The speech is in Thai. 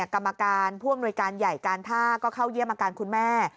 กรรมการผู้อำนวยการใหญ่การท่าก็เข้าเยี่ยมอาการคุณแม่